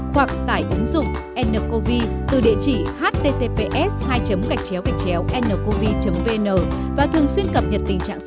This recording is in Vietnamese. hoặc tại ứng dụng ncovi từ địa chỉ https hai gạch chéo gạch chéo ncovi